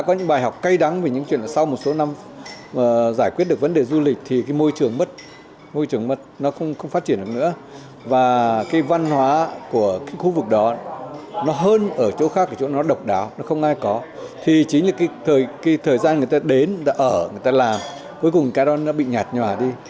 thời gian người ta đến người ta ở người ta làm cuối cùng cái đó nó bị nhạt nhòa đi